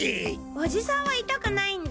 おじさんはイタくないんだ！